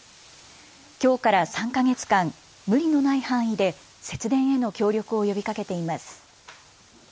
きょうから３か月間、無理のない範囲で節電への協力を呼びかけています。